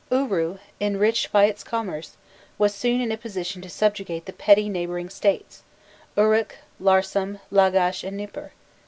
Uru, enriched by its commerce, was soon in a position to subjugate the petty neighbouring states Uruk, Larsam, Lagash, and Nipur.